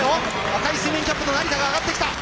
赤いスイミングキャップの成田が上がってきた。